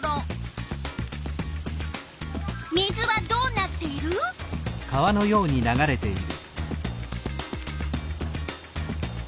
水はどうなっている？